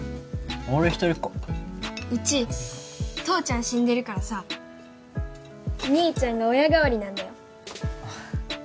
俺一人っ子うち父ちゃん死んでるからさ兄ちゃんが親代わりなんだよ